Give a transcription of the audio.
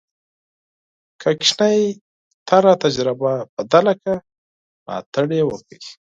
که ماشوم تېره تجربه بدله کړه، ملاتړ یې وکړئ.